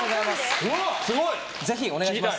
ぜひお願いします。